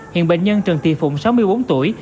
hiện bệnh nhân trần thị phụng sáu mươi bốn tuổi